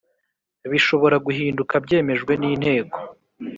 bishobora guhinduka byemejwe n Inteko